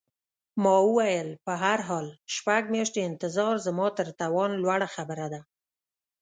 ما وویل: په هر حال، شپږ میاشتې انتظار زما تر توان لوړه خبره ده.